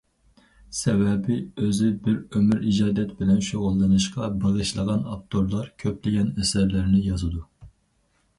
سەۋەبى، ئۆزىنى بىر ئۆمۈر ئىجادىيەت بىلەن شۇغۇللىنىشقا بېغىشلىغان ئاپتورلار كۆپلىگەن ئەسەرلەرنى يازىدۇ.